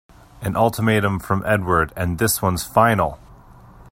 An ultimatum from Edward and this one's final!